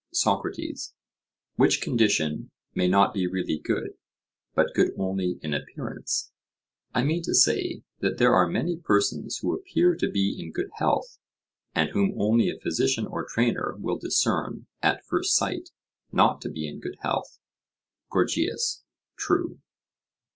SOCRATES: Which condition may not be really good, but good only in appearance? I mean to say, that there are many persons who appear to be in good health, and whom only a physician or trainer will discern at first sight not to be in good health. GORGIAS: True.